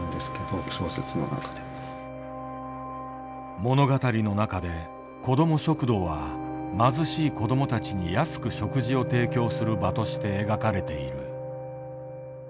物語の中で「子ども食堂」は貧しい子どもたちに安く食事を提供する場として描かれている。